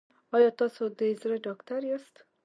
ایا تاسو د زړه ډاکټر یاست؟